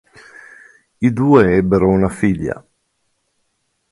I due ebbero una figlia.